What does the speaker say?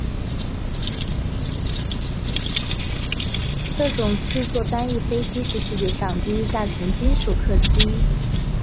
这种四座单翼飞机是世界上第一架全金属客机。